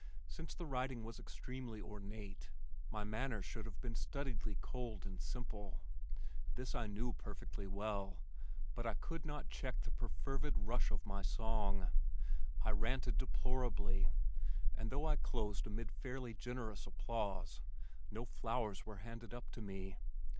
Since the writing was extremely ornate, my manner should have been studiedly cold and simple. This I knew perfectly well, but I could not check the perfervid rush of my song. I ranted deplorably, and though I closed amid fairly generous applause, no flowers were handed up to me.